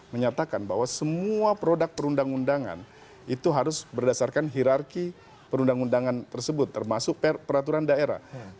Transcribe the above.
menyatakan bahwa semua produk perundang undangan itu harus berdasarkan hirarki perundang undangan tersebut termasuk peraturan daerah